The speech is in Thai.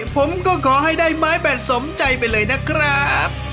ผมก็ขอให้ได้ไม้แบดสมใจไปเลยนะครับ